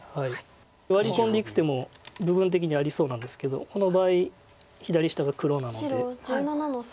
ワリ込んでいく手も部分的にありそうなんですけどこの場合左下が黒なので。